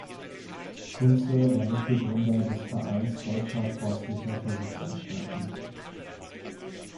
Kunze war Mitbegründer des Vereins Deutscher Forstlicher Versuchsanstalten.